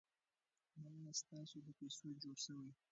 دا ستاسو په پیسو جوړ شوي.